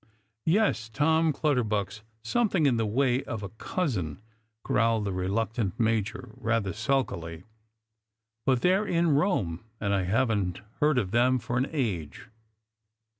"Yes : Tom Clutterbuck's somethiner in the way of a cousin," 182 Strangers and Pilgrima. growled the reluctant Major, rather sulkily. " But they're in Rome, and I haven't heard of them for an age."